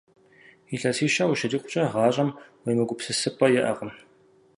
Илъэсищэ ущрикъукӀэ, гъащӀэм уемыгупсысыпӀэ иӀэкъым.